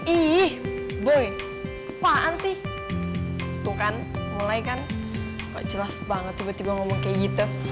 ih boy lupaan sih itu kan mulai kan jelas banget tiba tiba ngomong kayak gitu